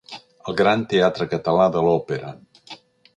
El gran teatre català de l'òpera.